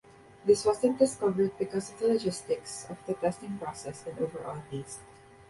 This wasn't discovered because of the logistics of the testing process and overall haste.